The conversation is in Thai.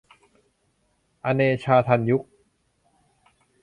อเนชา ทันยุค